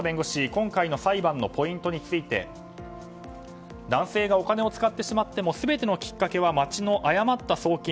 今回の裁判のポイントについて男性がお金を使ってしまっても全てのきっかけは町の誤った送金。